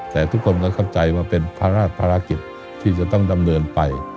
แต่ทุกคนก็เข้าใจว่าเป็นพระราชภารกิจที่จะต้องดำเนินไป